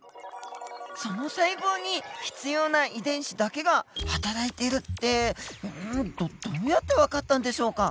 その細胞に必要な遺伝子だけがはたらいてるってどどうやって分かったんでしょうか？